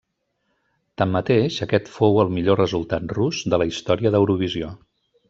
Tanmateix aquest fou el millor resultat rus de la història d'Eurovisió.